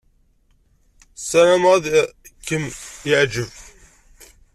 Ssarameɣ ad kem-yeɛjeb.